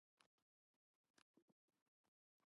یو فضايي کمربند د هغه د ملا شاوخوا تاو و